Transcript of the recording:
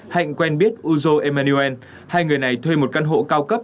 hạnh quen biết uzo emaniel hai người này thuê một căn hộ cao cấp